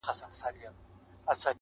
ستا د خولې خندا يې خوښه سـوېده ـ